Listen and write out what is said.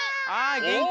げんき。